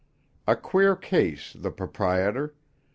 A queer case, the proprietor.